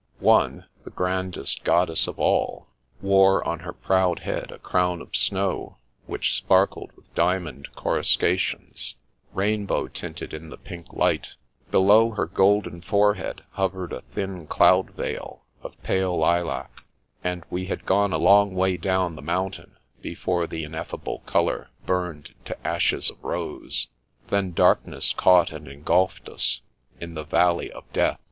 One — ^the grandest goddess of all — ^wore on her proud head a crown of snow which sparkled with diamond coruscations, rainbow tinted in the pink light Below her golden forehead hovered a thin cloud veil, of pale lilac ; and we had gone a long way down the mountain before the ineffable colour burned to ashes of rose. Then darkness caught and engulfed us, in the Val ley of Death.